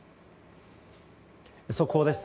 速報です。